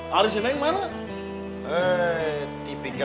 hari si neng mana